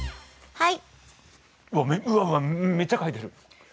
はい。